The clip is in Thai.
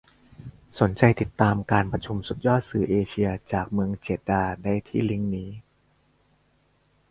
สนใจติดตามการประชุมสุดยอดสื่อเอเชีย จากเมืองเจดดาห์ได้ที่ลิ้งค์นี้